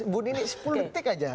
ibu ini sepuluh detik aja